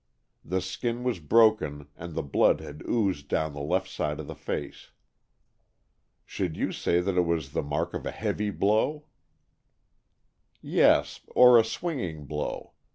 The skin was broken, and the blood had oozed down the left side of the face." "Should you say that it was the mark of a heavy blow?" "Yes, or a swinging blow.